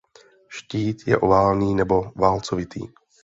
Štít je oválný nebo válcovitý.